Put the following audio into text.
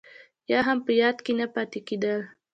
يا هم په ياد کې نه پاتې کېدل.